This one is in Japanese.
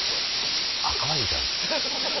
赤ワインってあるんですか？